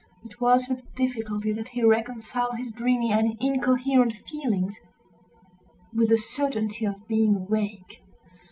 It was with difficulty that he reconciled his dreamy and incoherent feelings with the certainty of being awake.